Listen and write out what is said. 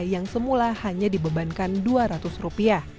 yang semula hanya dibebankan rp dua ratus